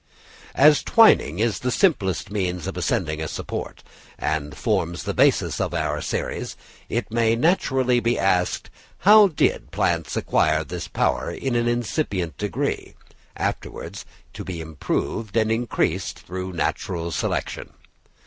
As twining is the simplest means of ascending a support, and forms the basis of our series, it may naturally be asked how did plants acquire this power in an incipient degree, afterwards to be improved and increased through natural selection.